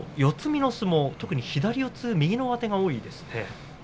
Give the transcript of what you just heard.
身の相撲特に左四つ、右の上手が多いですね。